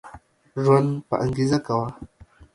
ژوند په انګيزه کوه